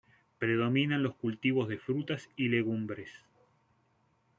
Predominan los cultivos de frutas y legumbres.